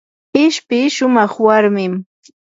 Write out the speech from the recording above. ishpi shumaq warmim.